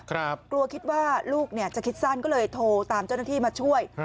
กลัวคิดว่าลูกเนี่ยจะคิดสั้นก็เลยโทรตามเจ้าหน้าที่มาช่วย